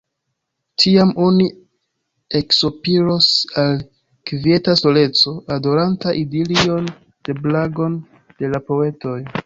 Tiam oni eksopiros al kvieta soleco, odoranta idilion la blagon de la poetoj.